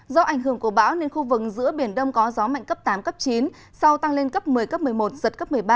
do ảnh hưởng của bão nên khu vực giữa biển đông có gió mạnh cấp tám cấp chín sau tăng lên cấp một mươi cấp một mươi một giật cấp một mươi ba